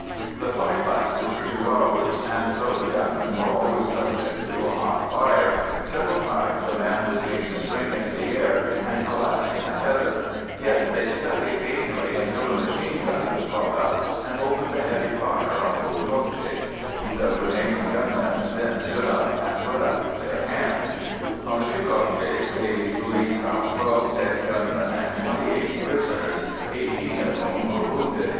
The fight lasted for two hours, and though the gunmen were always subject to a hot fire, and several times a man was seen to spring into the air and collapse in the heather, yet they stuck it gamely until the machine gun was brought up and opened a heavy fire on both kopjes; the remaining gunmen then stood up and put up their hands. On the two kopjes the police found twelve dead gunmen and twenty eight prisoners, eighteen of whom were wounded.